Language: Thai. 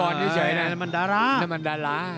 นี่มันดาลา